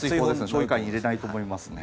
将棋界にいれないと思いますね。